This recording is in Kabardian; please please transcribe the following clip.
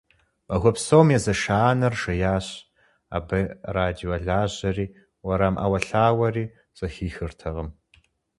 Махуэ псом езэша анэр жеящ, абы радио лажьэри, уэрам Ӏэуэлъауэри зэхихыртэкъым.